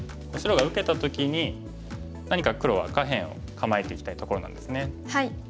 白が受けた時に何か黒は下辺を構えていきたいところなんですね。